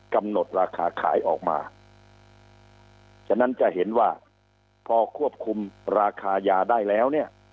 กำหนดราคาขายออกมาฉะนั้นจะเห็นว่าพอควบคุมราคายาได้แล้วเนี่ย